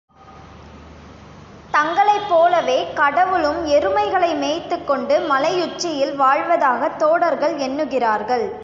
தங்களைப் போலவே கடவுளும் எருமைகளை மேய்த்துக்கொண்டு மலையுச்சியில் வாழ்வதாகத் தோடர்கள் எண்ணுகிறார்கள்.